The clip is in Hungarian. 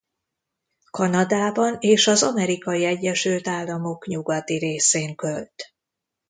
Kanadában és az Amerikai Egyesült Államok nyugati részén költ.